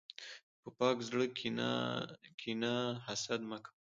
په پاک زړه کښېنه، حسد مه کوه.